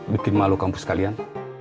bikin malu kampus kalian